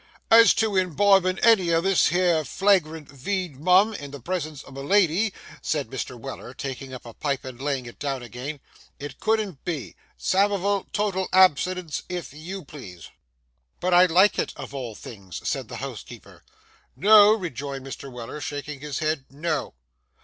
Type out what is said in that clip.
'As to imbibin' any o' this here flagrant veed, mum, in the presence of a lady,' said Mr. Weller, taking up a pipe and laying it down again, 'it couldn't be. Samivel, total abstinence, if you please.' 'But I like it of all things,' said the housekeeper. 'No,' rejoined Mr. Weller, shaking his head,—'no.